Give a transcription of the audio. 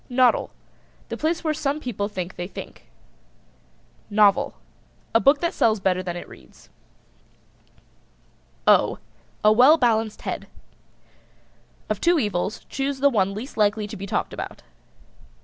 NODDLE. The place where some people think they think. NOVEL. A book that sells better than it reads. [Illustration: "O A well balanced Head."] Of two evils choose the one least likely to be talked about.